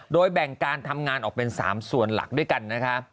โดยแบ่งการทำงานออกเป็น๓ส่วนหลักด้วยกันนะคะ